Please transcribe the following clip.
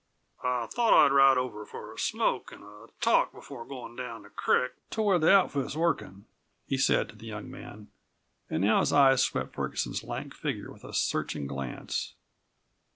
"I thought I'd ride over for a smoke an' a talk before goin' down the crick to where the outfit's workin'," he said to the young man. And now his eyes swept Ferguson's lank figure with a searching glance.